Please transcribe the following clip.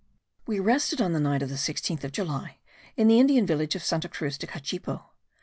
We rested on the night of the 16th of July in the Indian village of Santa Cruz de Cachipo.